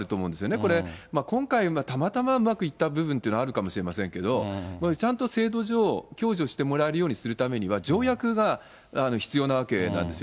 これ、今回はたまたまうまくいった部分というのもあるかもしれませんが、ちゃんと制度上、共助してもらえるようにするためには、条約が必要なわけなんですよ。